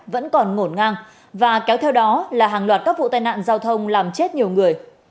vẫn còn ngổn ngang và kéo theo đó là hàng loạt các vụ tai nạn giao thông làm chết nhiều người